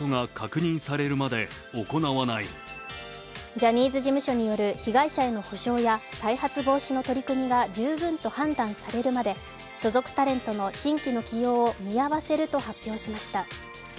ジャニーズ事務所による被害者への補償や再発防止の取り組みが十分と判断されるまで、所属タレントの新規の起用を見合わせると発表しました。